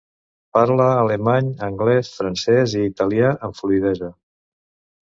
Parla alemany, anglès, francès i italià amb fluïdesa.